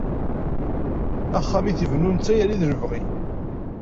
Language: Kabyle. Axxam i t-ibennun d tayri d lebɣi.